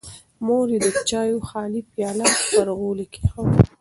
مور یې د چایو خالي پیاله پر غولي کېښوده.